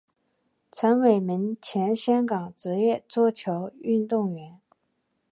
陈伟明前香港职业桌球运动员。